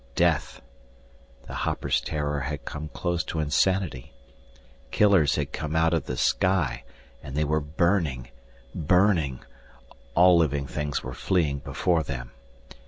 Death the hopper's terror had come close to insanity. Killers had come out of the sky, and they were burning burning All living things were fleeing before them.